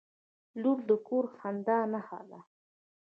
• لور د کور د خندا نښه ده.